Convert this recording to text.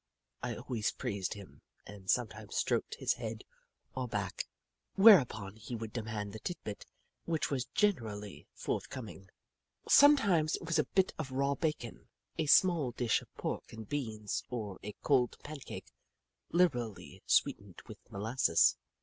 I always praised him, and sometimes stroked his head or back, whereupon he would demand the tidbit, which was generally forthcoming. 1 14 The Book of Clever Beasts Sometimes it was a bit of raw bacon, a small dish of pork and beans, or a cold pancake, liberally sweetened with molasses.